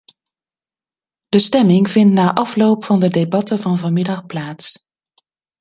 De stemming vindt na afloop van de debatten van vanmiddag plaats.